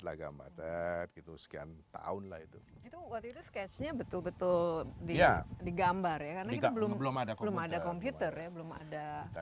lah gambarnya itu sekian tahun lah itu betul betul di gambar belum ada belum ada komputer belum ada